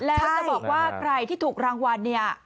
แล้วจะบอกว่าใครที่ถูกรางวัลเนี่ย